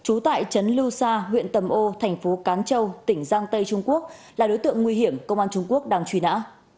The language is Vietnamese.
trú tại trấn lưu sa huyện tầm ô thành phố cán châu tỉnh giang tây trung quốc là đối tượng nguy hiểm công an trung quốc đang truy nã